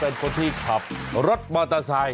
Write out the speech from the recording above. ขับรถอยู่เล่นซ้ายสุดแบบนี้อ่ะก็พูดง่ายอาจจะแสงซ้ายอ่ะ